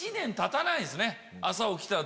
朝起きたら。